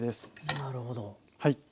なるほど。